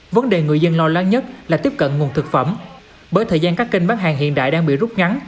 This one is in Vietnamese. vấn đề người dân lo lắng nhất là tiếp cận nguồn thực phẩm bởi thời gian các kênh bán hàng hiện đại đang bị rút ngắn